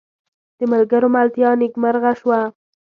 د ملګرو ملتیا نیکمرغه شوه.